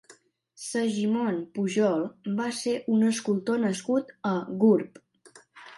Segimon Pujol va ser un escultor nascut a Gurb.